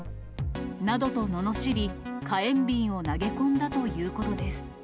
などと罵り、火炎瓶を投げ込んだということです。